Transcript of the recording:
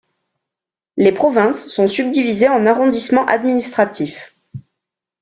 Les provinces sont subdivisées en arrondissements administratifs.